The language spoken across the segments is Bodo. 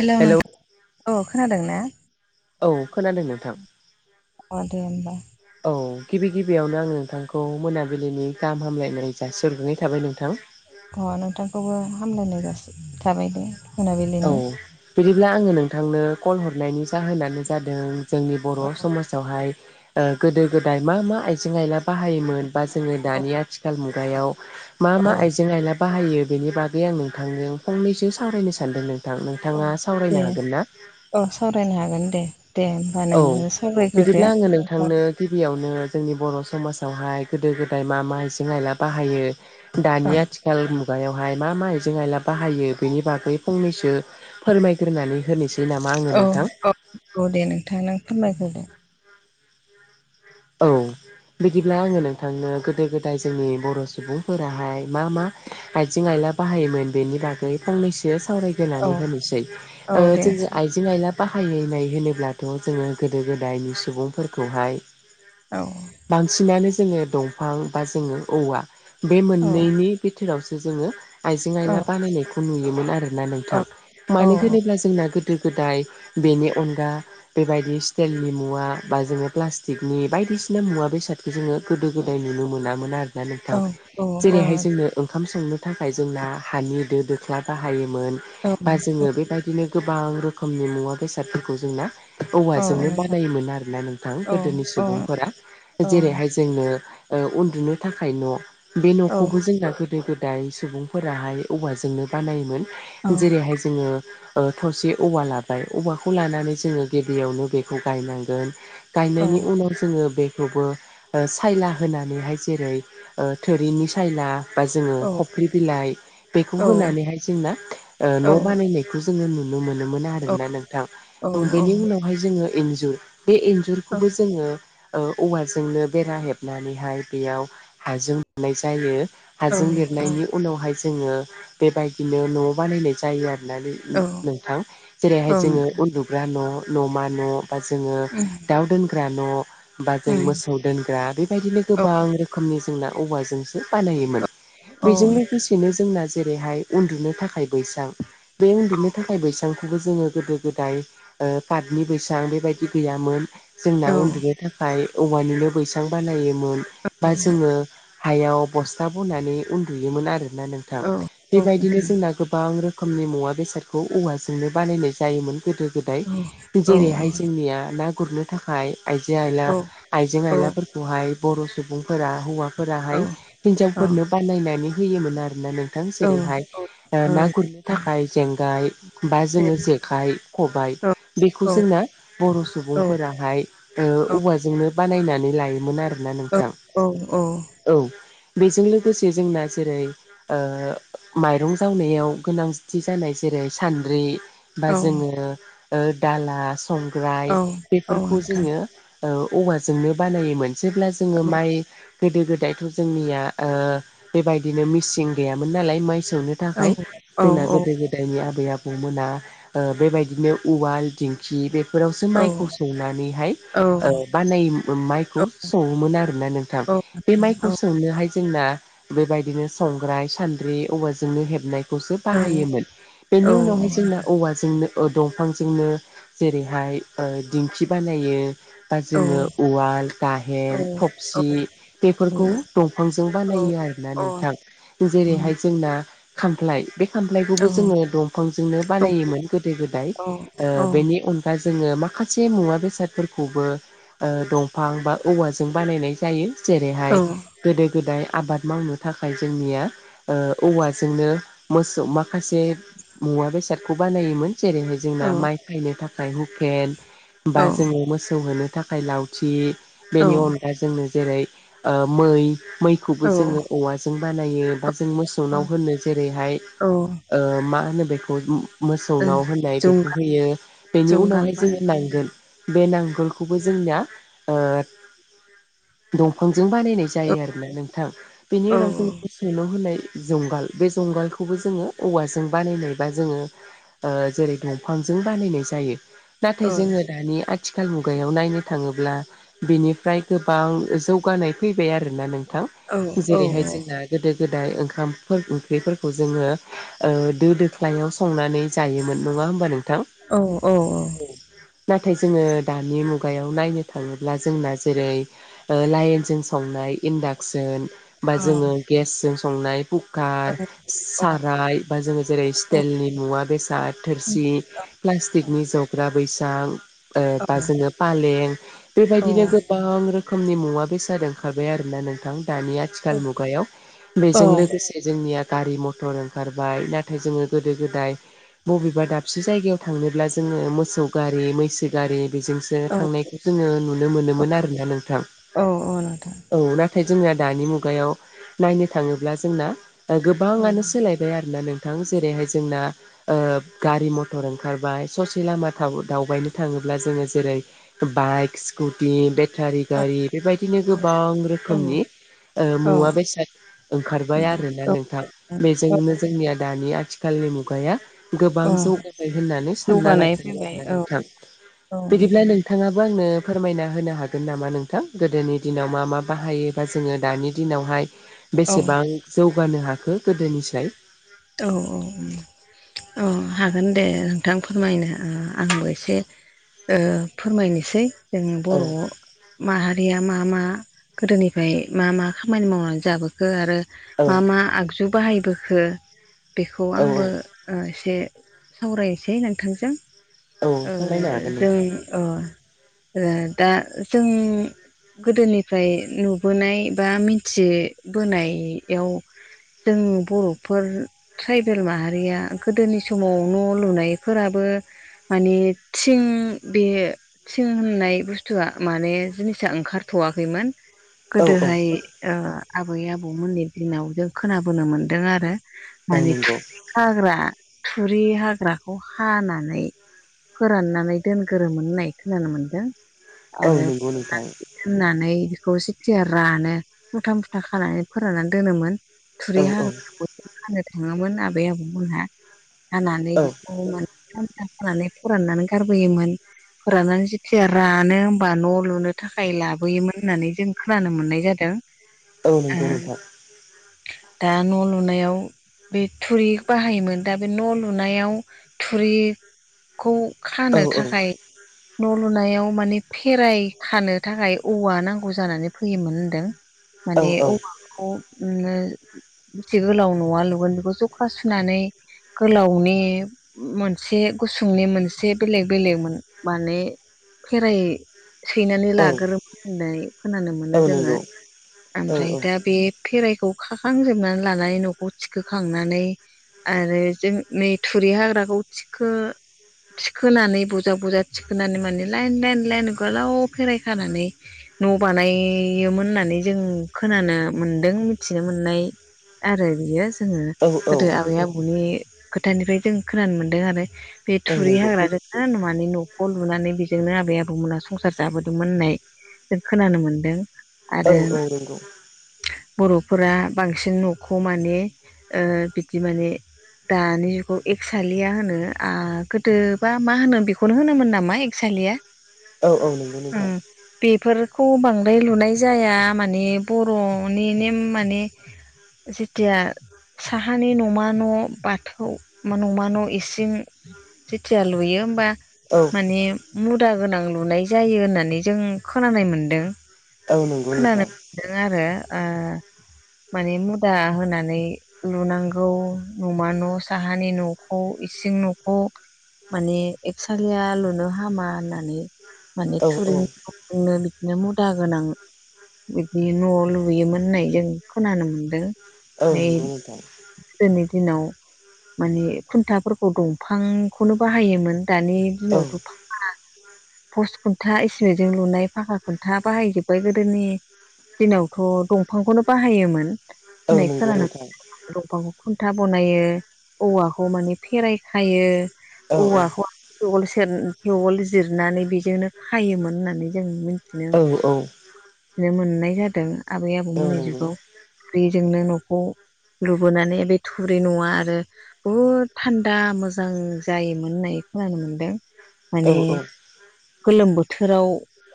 हेल' हेलौ नोंथां, औ खोनादों ना? औ खोनादों नों? अ दे होनबा। औ गिबि गिबियावनो आं नोंथांखौ मोनाबिलिनि गाहाम हामलायनाय जाासगङै थाबाय नोंथां। अ नोंथांखौबो हामलायनाय जासि थाबाय दे। औ मोनाबिलिनि बिदिब्ला आङो नोंथांनो कल हरनायनि जाहोनानो जादों जोंनि बर' औ समाजावहाय गोदो गोदाय मा मा आइजें आइला बाहायोमोन बा जोंनि औ दानि आथिखाल मुगायाव मा औ मा आयजें आयला बाहायो बेनि बागै आं नोंथांजों फंनैसो सावरायनो सानदों नों थां, औ नोंथाङा दे सावरायनो हागोन ना? औ सावरायनो हागोन दे, दे होमबा औ नोङो सावरायग्रोदो बिदिब्ला आङो [unintelligible] नोंथांनो गिबियावनो जोंनि बर' समाजावहाय गोदो गोदाय मा मा आइजं आइला बाहायो औ दानि आथिखाल मुगायावहाय मा मा आइजें आयला बाहायो बेनि बागै फंनैसो फोरमायग्रोनानै होनोसै नामा आङो औ नोंथां? औ औ दे नोंथां नों फोरमायग्रोदो। औ। बिदिब्ला आङो नोंथांनो गोदो गोदाय जोंनि बर' सुबुंफोराहाय मा मा आइजें आइला बाहायोमोन बेनि बागै फंनैसो सावराय औ ग्रोनानै मोनोसै। औ ओ दे जोङो आयजें आयला बाहायनाय होनोब्लाथ' जोङो गोदो गोदायनि सुबुंफोरखौहाय औ। बांसिनानो जोङो दंफां बा जोङो औवा बे औ मोननैनि बिथोरावसो जोङो आइजें औ आइला बानायनायखौ नुयोमोन आरोना औ नोंथां। औ मानो होनोब्ला जोंना गोदो गोदाय बेनि अनगा बेबायदि स्टिलनि मुवा बा जोङो प्लास्टिक नि बायदिसिना मुवा बेसादखौ जोङो गोदो गोदाय नुनो मोनामोन आरो ना औ नोंथां। औ जेरैहाय औ जोंनो ओंखाम संनो थाखाय जोंना हानि दो दोख्ला बाहायदोंमोन बा जोङो बेबाय दिनो गोबां रोखोमनि मुवा बेसादफोरखौ जोंना औ औवाजोंनो नोंथां बानायोमोन आरोना नोंथां औ गोदोनि औ सुबुंफोरा औ जेरैहाय जोंनो ओ उन्दुनो थाखाय न' बे औ न'खौबो जोंना गोदो गो दाय सुबुंफोराहाय औवाजोंनो बानायोमोन औ जेरैहाय जोङो ओ थसे औवा लाबाय औवाखौ लानानै जोङो गेदेयावनो बेखौ गायनांगोन। गायनायनि [unintelligible] जोङो बेखौबो ओ सायला होनानैहाय जेरै ओ थोरिनि सायला बा जोङो खफ्रि बिलाइ बेखौ होनानैहाय जोंना ओ न' बानायनाय खौ जोङो नुनो मोनोमोन आरोना नोंथां ओं औ औ बेनि उनावहाय जोङो इन्जुर बे इन औ जुरखौबो जोङो औवाजोंनो बेरा हेबनानैहाय बेयाव हाजों [unintelligible] जायो। औ हाजों औ लिरनायनि उनावहाय जोङो बेबायदिनो न' बानायनाय जायो आरो। नानै औ नोंथां। औ जेरैहाय जोङो नोंथां उन्दुग्रा न' न'मा न' बा जोङो उम दाउ दोनग्रा न' बा जों उम मोसौ दोनग्रा बेबायदिनो औ गोबां रोखोमनि जोंना औवाजोंसो बानायोमोन। औ बेजों लोगोसे बिनो जोंना जेरैहाय उन्दुनो थाखाय बैसां बे उन्दैनो थाखाय बैसांखौबो जोङो गोदो गोदाय पााथनि बैसां बेबायदि गैयामोन। औ जोंना उन्दुनो थाखाय औवानिनो बैसां बानायोमोन बा जोङो हायाव बस्था बनानै उन्दुयोमोन आरोना नोंथां। औ औ बेबायदिनो नोंथां जोंना गोबां रो रोखोमनि मुवा बेसादखौ औवाजोंनो बानायनाय जायोमोन गोदो गोदाय। औ औ जेरैहाय जोंनिया ना गुरनो थाखाय आइजें आइला, औ आइजें आइलाफोरखौहाय बर' सुबुंफोरा हौवा फोराहाय हिनजावफोरनो बानायनानै होयोमोन आरोना नों थां। औ जेरैहाय ना गुर थाखाय जेंगाय बा जोङो जेखाइ, खबाय बेखौ औ जोंना बर' औ सुबुं ओ दे फोराहाय ओ औवाजोंनो बानायनानै लायोमोन आरोना नोंथां। औ औ बेजों लोगोसे जोंना जेरै ओ माइरं जावनायाव गोनांथि जानाय, जेरै सान्द्रि बा औ जोङो ओ दाला औ संग्राय औ औ बेफोरखौ नोंथां जोङो ओ औवाजोंनो बानायोमोन जेब्ला जोङो माइ गोदो गोदायथ' जोंनिया ओ बेबायदिनो मिसिं गैयामोन नालाय माइ सौनो औ थाखाय औ औ जोंना गोदो गोदायनि आबै आबौमोना ओ बेबायदिनो उवाल दिंखि बेफोरावसो माइखौ सौनानैहाय ओ बानाय माइखौ सौवोमोन आरोना औ नोंथां। औ बे माइखौ संनोहाय जोंना बेबायदिनो संग्राय, सान्द्रि औवाजोंनो हेबनाय खौसो बाहायोमोन। बेनि उनावहाय औ जोंना औवाजोंनो ओ दंफांजोंनो जेरैहाय ओ दिंखि बानायो बा जोङो नोंथां औ उवाल, गाहेन, थबसि बेफोरखौ औ दंफांजों बानायो आरोना नोंथां। जेरैहाय जोंना खामफ्लाय। बे खामफ्लायखौबो औ जोङो दंफांजोंनो दं बानायोमोन गोदो गोदाय। जंगालबाय औ ओ बेनि अन गा जोङो मा खासे मुवा बेसादफोरखौबो ओ दंफां बा औवाजों बानायनाय जायो। जेरैहाय गोदो गोदाय आबाद मावनो थाखाय जोंनिया ओ औवाजोंनो मोसो माखासे मुवा बेसादखौ बानायोमोन। जेरैहाय जोंना माइ खायनो थाखाय हुखेन बा जोङो मोसौ होनो थाखाय लावथि बेनि अन दा जोंङनो जेरै ओ मै मैखौबो औ जोङो औवाजों बानायो बा जों मोसौ औ नाव होनो जेरैहाय ओ मा होनो बेखौ मोसौनाव होनाय बेखौ जुंगाल होयो। बेनि उनावहाय जुंगालबाय जोङो नांगोल, बे नांगोलखौबो जोंनिया ओ दंफांजों बानायनाय औ जायो आरोना नोंथां। बेनि औ उनाव जों मोसौवनाव होनाय जुंगाल बे जुंगालखौबो जोङो औवाजों बानायनाय बा जोङो ओ जेरै दंफांजों बानायनाय जायो। औ नाथाय जोङो दानि आ थिखाल मुगायाव नायनो थाङोब्ला बिनिफ्राय गोबां जौगानाय फैबाय आरोना नोंथां। औ औ जेरैहाय जोंना गोदो गोदाय ओंखामफोर ओंख्रिफोरखौ जोङो ओ दो दोख्लायाव सं संनानै जायोमोन नङा होमबा नोंथां? औ अह अह। नाथाय जोङो दानि मुगायाव नायनो थाङोब्ला जोंना जेरै ओ लाइनजों संनाय इन्डाक्सन बा औ जोङो गेसजों संनाय कुकार सा [unintelligible] बा जों जेरै स्टेलनि मुवा बेसाद थोरसि प्लास्टिकनि जग ग्रा बैसां ओ बा जोङो फालें बेबायदिनो गोबां रोखोमनि मुवा बेसाद ओंखारबाय आरो ना नोंथां दानिया आथिखाल मुगायाव बेजों लोगोसे जोंनिया गारि मथर ओंखारबाय नाथाय जोङो गोदो गोदाय बबेबा दाबसे जायगायाव थांनोब्ला जोङो मोसौ गारि मैसो गारि बेजों जे थांनायखौ जोङो नुनो मोनोमोन आरोना नोंथां। औ नोंथां औ नाथाय जोंना दानि मुगायाव नायनो थाङोब्ला जोंना ओ गोबाङानो उम सोलाय बाय आरोना नोंथां जेरैहाय जोंना गारि मथर ओंखारबाय ससे लामा थाव दावबायनो थाङोब्ला जोङो जेरै बाइक स्कुटि बे बेथारि औ गारि बेबायदिनो औ औ गोबां उम रोखोमनि ओ मुवा बेसाद ओंखारबाय आरो ना नोंथां औ औ बेजोंनो जोंनिया दानि आथिखालनि मुगाया गोबां औ जौगाबाय होननानै सानना ला जौगानाय आरो फैबाय ना औ नोंथां औ बिदिब्ला नोंथां नोंथाङाबो आंनो फोरमायना होनो हागोन नामा नोंथां गोदोनि दिनाव मा मा बाहायो? बा जोङो दानि दिनावहाय औ बेसेबां जौगानो हाखो गोदोनिस्राय औ औ औ उम अ हागोन दे नोंथां फोरमायनो ओ आंबो एसे ओ फोरमायनोसै जों औ बर' माहारिया मा-मा गोदोनिफ्राय मा मा खामानि मावनानै जाबोखो आरो औ मा-मा आगजु बाहायबोखो? बेखौ औ आंबो ओ एसे सावरायनोसै नोंथांजों। औ ओ सावरायनो हागोन जों नोंथां ओ ओ दा जों गोदोनिफ्राय नुबोनाय बा मिथिबोनायाव जों बर'फोर ट्राइबेल माहारिया गोदोनि समाव न' लुनायफोराबो माने थिं बे थिं होननाय बुस्थुआ माने जिनिसा ओंखारथ'वाखैमोन। औ गोदोहाय ओ आबै आबौमोननि दिनाव जों खोनाबोनो मोन्दों आरो औ माने नंगौ थुरि हाग्रा थुरि हाग्राखौ हानानै फोराननानै दोनग्रोमोन होननाय खोनानो मोनदों औ आरो नंगौ नोंथां होननानै बेखौ सिथिया रानो मुथा मुथा खानानै फोराननानै दोनोमोन। औ थुरि औ हाग्रा बयबो खानो थाङोमोन आबै आबौमोनहा हानानै औ बेखौ मोन मुथा खानानै फोराननानै गारबोयोमोन। फोराननानै जेथिया रानो हबा न' लुनो थाखाय लाबोयोमोन होननानै जों खोनानो मोननाय जादों। औ ओ नंगौ नोंथां दा न' लुनायाव बे थुरि बाहायोमोन दा बे न' लुनायाव थुरिखौ औ खानो थाखाय न' लुनायाव माने फेराय खानो थाखाय औवा नांगौ जानानै फैयोमोन होनदों। औ माने औवाखौ ओ बेसे गोलाव न'वा लुगोन बेखौ जखा सुनानै गोलावनि मोनसे गुसुंनि मोनसे बेले बेलेग माने फेराइ सैनानै औ लाग्रो होननाय खोनानो मोनो औ जोङो नंगौ औ ओमफ्राय दा बे फेराइखौ खाखांजोबनानै लानानै न'खौ थिखो खांनानै आरो जों नै थुरि हाग्राखौ थिखो थिखोनानै बजा बजा थिखोनानै माने लाइन लाइन लाइन गोलाव फेराय खानानै न' बानायोमोन होननानै जों खोनानो मोनदों मिथिनो मोननाय। आरो बियो जोङो औ औ गोदो आबै आबौनि खोथानिफ्राय जों खोनानो मोनदों आरो। बे औ थुरि नंगौ हाग्राजों मा होनो माने न'खौ लुनानै बेजोंनो आबै आबौमोना संसार जाबोदोंमोन होननाय। जों खोनानो मोनदों। आरो औ औ नंगौ बर'फोरा बांसिन न'खौ माने ओ बिदि माने दानि जुगाव एकसालिया होनो आ गोद दोबा मा होनोम बेखौनो होनोमोन नामा एकसालिया? औ औ नंगौ नोंथां बेफोरखौ बांद्राय लुनाय जाया माने बर'नि नेम माने जेथिया साहानि नमा न' बाथौ नमा न' इसिं जेथिया लुयो होमबा औ माने मुदा गोनां लुनाय जायो होननानै जों खोनानाय मोनदों। औ नंगौ नोंथां। दों आरो माने मुदा होनानै लुनांगौ नमा न' साहानि न'खौ इसिं न'खौ। माने एकसालिया लुनो हामा होननानै माने औ औ थुरिनि न' नो बिदिनो मुदा गोनां बिदि न' लुयोमोन होननाय जों खोनानो मोन दों ओमफ्राय [inaudible] गोदोनि दिनाव माने खुन्थाफोरखौ दंफांखौनो बाहायोमोन। दानि औ दिनावथ' पस खुन्था इसिमेन्टजों लुनाय फाखा खुन्था बाहायजोबबाय गोदोनि दिनावथ' दंफांखौनो बाहायोमोन औ होननाय नंगौ खोनानो नोंथां दंफांखौ खुन्था बनायो औवाखौ माने फेराय खायो। औ औवाखौ थेवल सेर थेवल जिरनानै बेजोंनो खायोमोन होननानै जों मो बिदिनो औ औ मोनथिनो मोननाय जादों आबै औ आबौमोननि नंगौ जुगाव। बेजोंनो न'खौ लुबोनानै बे थुरि न'आ आरो बहुद थान्दा मोजां जायोमोन होननाय खोनानो मोनदों। औ माने औ गोलोम बोथोराव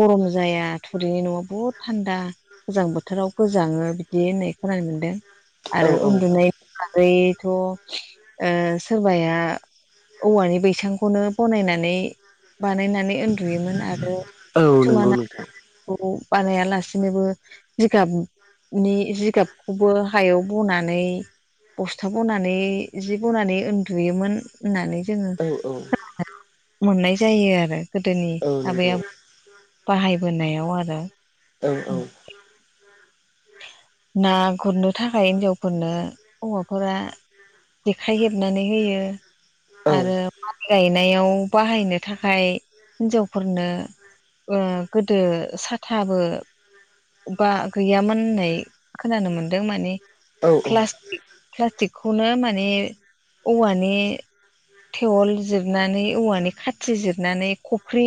गरम जाया थुरिनि न'आ बुहुद थान्दा। गोजां बोथोराव गोजाङो बिदि होननाय खोनानो मोन्दों। आरो औ औ उन्दुनाय बागैथ' ओ सोरबाया औवानि बैसांखौनो बनायनानै बानायनानै उन्दुयोमोन आरो औ नंगौ खिसुमाना नोंथां खौ बानाया लासिनोबो जिगाबनि जिगाबखौबो हायाव बनानै बस्था बनानै जि बनानै उन्दुयोमोन होननानै जोङो औ मोननाय जायो आरो गोदोनि औ आबै नंगौ आबौ बाहायबोनायाव आरो औ औ ना गुरनो थाखाय हिनजावफोरनो हौवाफोरा जेखाइ हेबनानै होयो औ आरो माइ गायनायाव बाहायनो थाखाय हिन्जावफोरनो ओ गोदो साथाबो बा गैयामोन होननाय खोनानो मोनदों माने। औ प्लासटिक प्लास्टिकखौनो माने औवानि थेवल जिरनानै औवानि खाथि जिरनानै खफ्रि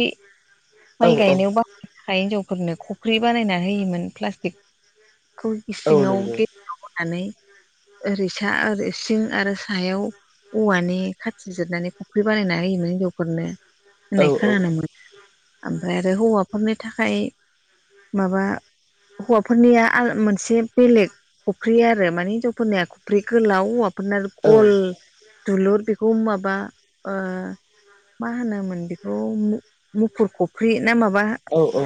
औ माइ गायनायाव बाहायनो थाखाय हिनजावफोरनो फख्रि बानायना होयोमोन प्लास्टिक खौ औ इसिङाव नंगौ गे [unintelligible] होनानै ओरै सा ओरै सिं आरो सायाव औवानि खाथि जिरनानै खफ्रि बानायना होयोमोन हिनजावफोरनो औ होननाय खोनानो मोनो। ओमफाय आरो हौवाफोरनि थाखाय माबा हौवाफोरनिया आल मोनसे बेलेग खफ्रि आरो माने हिनजावफोरनिया खफ्रि गोलाव हौवाफोरना औ गल दुलुर बेखौ माबा ओ मा होनोमोन बेखौ मु मुफुर खफ्रि ना माबा औ औ।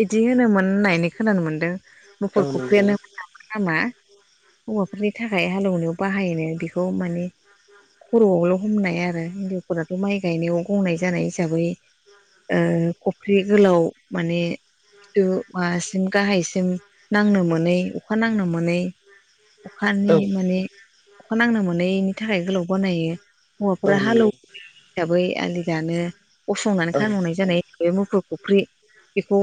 बिदि होनोमोन होननानै खोनानो मोनदों मुफुर नंगौ औ खफ्रियानो मोननामा नामा हौवाफोरनि थाखाय हाल एवनायाव बाहायनो बेखौ मानि खर'आवल' हमनाय आरो हिन्जावफोराथ' माइ गायनायाव गंनाय जानाय हिसाबै ओ खफ्रि गोलाव माने खिबु माबासिम गाहायसिम नांनो मोनै अखा नांनो मोनै अखानि मानि अखा नांनो मोनैनि थाखाय गोलाव बानायो, हौवाफोरा हालौ हिसाबै आलि दानो गसंनानै खामानि जानाय बे मुफुर फुख्रि बेखौ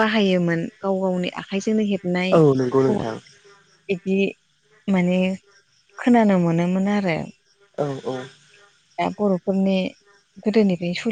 बाहायोमोन गाव गावनि आखाइजोंनो हेबनाय औ नंगौ नोंथां [unintelligible] बिदि माने खोनानो मोनोमोन आरो। औ औ। बे बर'फोरनि गोदोनिफ्रायनो स